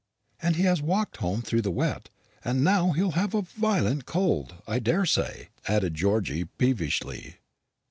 "And he has walked home through the wet, and now he'll have a violent cold, I daresay," added Georgy peevishly.